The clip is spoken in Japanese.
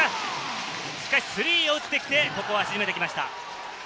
しかしスリーを打ってきて、ここは沈めてきました。